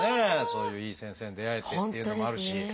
そういういい先生に出会えてっていうのもあるし。